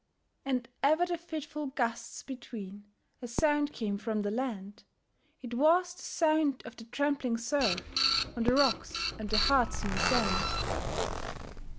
And ever the fitful gusts between A sound came from the land; It was the sound of the trampling surf, On the rocks and the hard sea sand.